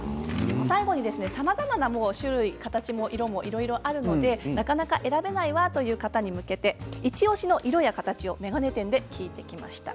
最後にさまざまな種類形も色もいろいろあるのでなかなか選べないわという方に向けてイチおしの色や形を眼鏡店で聞いてきました。